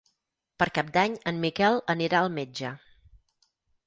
Per Cap d'Any en Miquel anirà al metge.